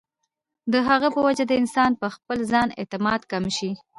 د هغې پۀ وجه د انسان پۀ خپل ځان اعتماد کم شي